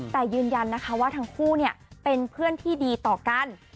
แต่ยืนยันนะคะว่าทั้งคู่เป็นเพื่อนที่ดีต่อกัน